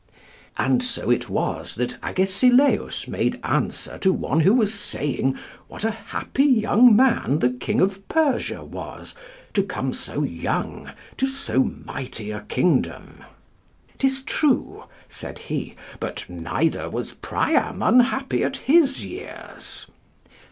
And so it was that Agesilaus made answer to one who was saying what a happy young man the King of Persia was, to come so young to so mighty a kingdom: "'Tis true," said he, "but neither was Priam unhappy at his years."